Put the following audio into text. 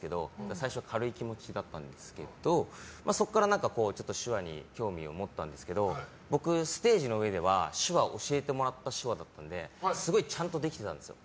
最初は軽い気持ちだったんですけどそこから手話に興味を持ったんですけど僕、ステージの上では手話を教えてもらってすごいちゃんとできてたんです。